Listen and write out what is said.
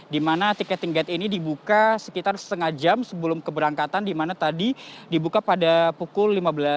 dimana ticketing gate ini dibuka sekitar setengah jam sebelum keberangkatan dimana tadi dibuka pada pukul lima belas lima